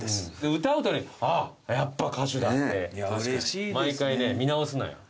歌うとね「あっやっぱ歌手だ」って毎回ね見直すのよ。